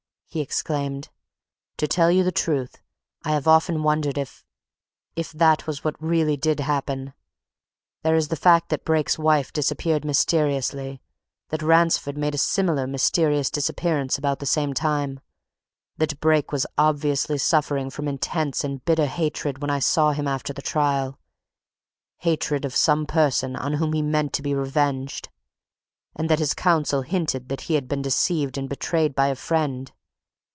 he exclaimed. "To tell you the truth, I have often wondered if if that was what really did happen. There is the fact that Brake's wife disappeared mysteriously that Ransford made a similar mysterious disappearance about the same time that Brake was obviously suffering from intense and bitter hatred when I saw him after the trial hatred of some person on whom he meant to be revenged and that his counsel hinted that he had been deceived and betrayed by a friend.